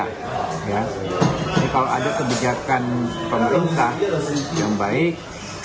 kalau ada kebijakan pemerintah yang baik